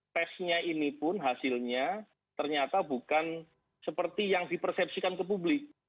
tesnya ini pun hasilnya ternyata bukan seperti yang dipersepsikan ke publik